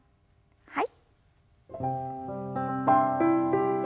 はい。